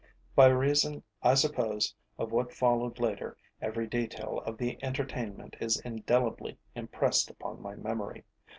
By reason, I suppose, of what followed later, every detail of the entertainment is indelibly impressed upon my memory.